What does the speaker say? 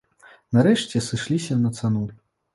Нарэшце сышліся на цану.